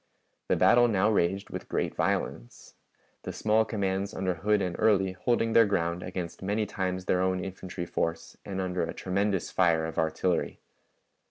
The battle now raged with great violence, the small commands under Hood and Early holding their ground against many times their own infantry force and under a tremendous fire of artillery.